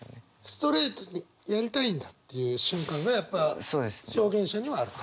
ストレートにやりたいんだっていう瞬間がやっぱ表現者にはあると。